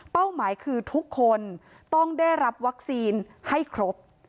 หมายคือทุกคนต้องได้รับวัคซีนให้ครบ